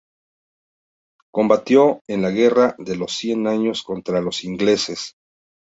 Combatió en la Guerra de los Cien Años contra los ingleses.